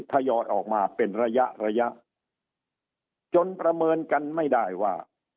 ทยอยออกมาเป็นระยะระยะจนประเมินกันไม่ได้ว่า